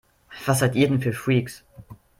Was seid ihr denn für Freaks?